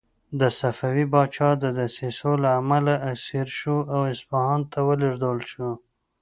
د صفوي پاچا د دسیسو له امله اسیر شو او اصفهان ته ولېږدول شو.